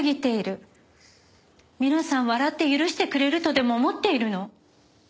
皆さん笑って許してくれるとでも思っているの？